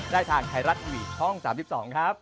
ได้ทางไทรัตน์อีวียช่อง๓๒ครับ